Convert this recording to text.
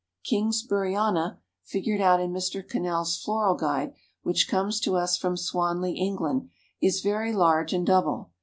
Kingsburyana, figured in Mr. Cannell's Floral Guide which comes to us from Swanley, England is very large and double.